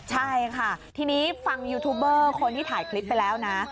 ใช่ค่ะทีนี้ฟังยูทูบเบอร์คนที่ถ่ายคลิปไปแล้วนะ